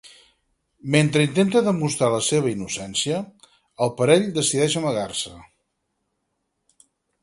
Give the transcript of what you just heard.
Mentre intenta demostrar la seva innocència, el parell decideix amagar-se.